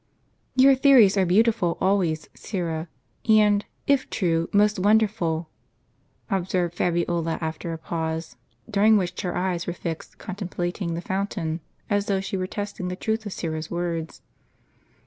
"Your theories are beautiful always, Syra, and, if true, most wonderful," observed Fabiola, after a pause, during which her eyes were fixedly contemplating the fountain, as though she were testing the truth of Syra's words.